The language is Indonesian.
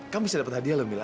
kamu bisa dapet hadiah loh mila